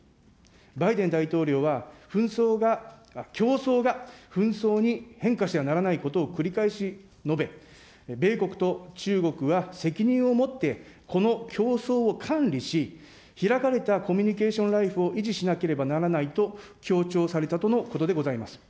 バイデン大統領は紛争が、競争が紛争に変化してはならないことを繰り返し述べ、米国と中国は責任を持ってこの競争を管理し、開かれたコミュニケーションライフを維持しなければならないと強調されたとのことでございます。